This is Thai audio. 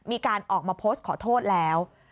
มีการออกมาโพสต์ขอโทษแล้ว